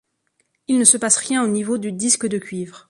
Il ne se passe rien au niveau du disque de cuivre.